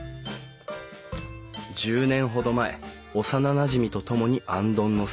１０年ほど前幼なじみと共に行灯の制作を始めた。